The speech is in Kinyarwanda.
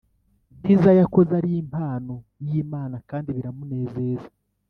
byiza yakoze ari impano y Imana kandi biramunezeza